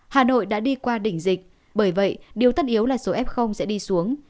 hà nội đã đi qua đỉnh dịch bởi vậy điều tất yếu là số f sẽ đi xuống